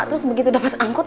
terus begitu dapet angkot